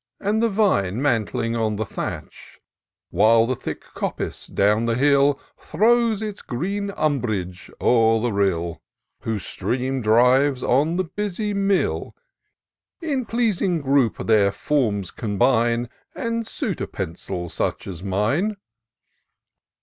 And the vine mantling on the thatch ; While the thick coppice, down the hill, Throws its green umbrage o'er the rill. Whose stream drives on the busy mill ; In pleasing group their forms combine, And suit a pencil such as mine.